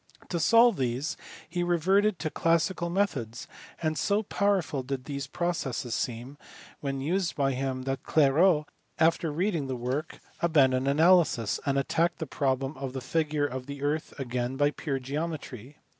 To solve these he reverted to classical methods, and so powerful did these pro cesses seem, when used by him, that Olairaut after reading the MACLAURIN. 395 work abandoned analysis, and attacked the problem of the 6gure of the earth again by pure geometry.